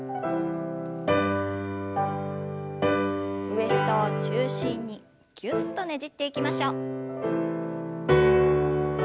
ウエストを中心にぎゅっとねじっていきましょう。